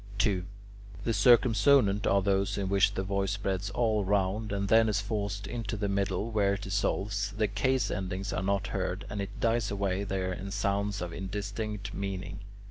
2. The circumsonant are those in which the voice spreads all round, and then is forced into the middle, where it dissolves, the case endings are not heard, and it dies away there in sounds of indistinct meaning.